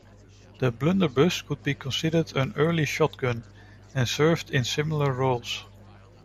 The blunderbuss could be considered an early shotgun, and served in similar roles.